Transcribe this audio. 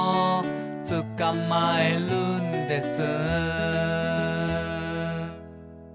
「つかまえるんです」